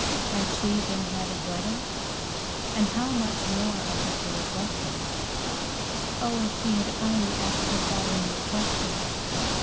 Had she, then, had a brother? And how much more of the story was there? Oh, if she had only asked her father more questions!